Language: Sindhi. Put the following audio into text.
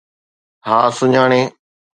ها، سڃاڻي.